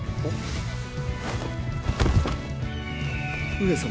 上様！